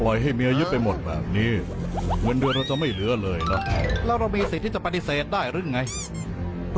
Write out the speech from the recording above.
ไม่เกี่ยวว่าเมย์เอาเงินเราไปเท่าไหร่